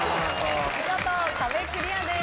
見事壁クリアです。